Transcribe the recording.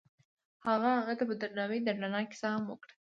هغه هغې ته په درناوي د رڼا کیسه هم وکړه.